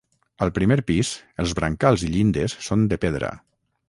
Al primer pis els brancals i llindes són de pedra.